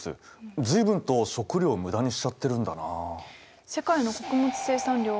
随分と食料を無駄にしちゃってるんだなあ。